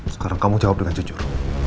sekarang kamu jawab dengan jujur